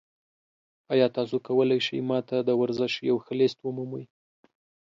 ایا تاسو کولی شئ ما ته د ورزش یو ښه لیست ومومئ؟